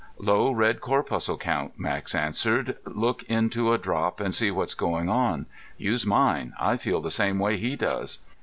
"Low red corpuscle count," Max answered. "Look into a drop and see what's going on. Use mine; I feel the same way he does."